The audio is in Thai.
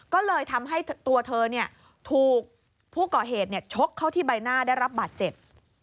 ก็เลยทำให้ตัวเธอถูกผู้ก่อเหตุชกเข้าที่ใบหน้าได้รับบาดเจ็บ